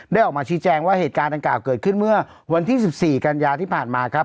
ออกมาชี้แจงว่าเหตุการณ์ดังกล่าวเกิดขึ้นเมื่อวันที่๑๔กันยาที่ผ่านมาครับ